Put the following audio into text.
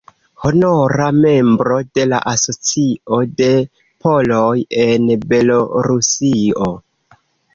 Honora membro de la Asocio de poloj en Belorusio.